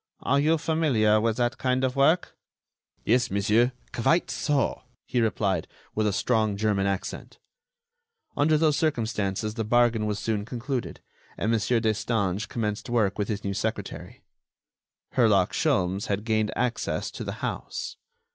Are you familiar with that kind of work?" "Yes, monsieur, quite so," he replied, with a strong German accent. Under those circumstances the bargain was soon concluded, and Mon. Destange commenced work with his new secretary. Herlock Sholmes had gained access to the house.